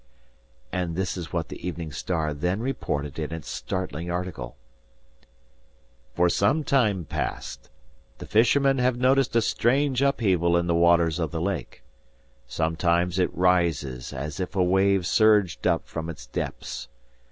And this is what the Evening Star then reported in its startling article. "For some time past, the fishermen have noticed a strange upheaval in the waters of the lake. Sometimes it rises as if a wave surged up from its depths.